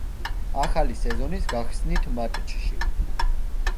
ახალი სეზონის გახსნით მატჩში.